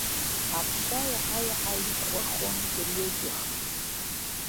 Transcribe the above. Аԥша еиҳа-еиҳа иӷәӷәахон дырҩегьых.